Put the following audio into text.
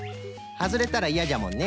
はずれたらいやじゃもんね。